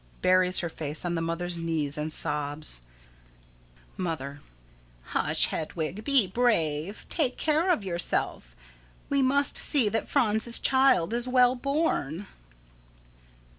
[Buries her face on the mother's knees and sobs.] Mother: Hush, Hedwig! Be brave! Take care of yourself! We must see that Franz's child is well born.